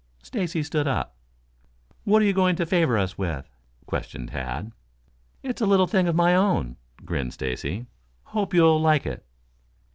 Stacy stood up. "What are you going to favor us with?" questioned Tad. "It's a little thing of my own," grinned Stacy. "Hope you'll like it."